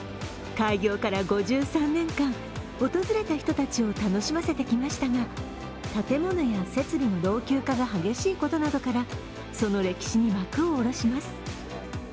開業から５３年間、訪れた人たちを楽しませてきましたが建物や設備の老朽化が激しいことなどからその歴史に幕を下ろします。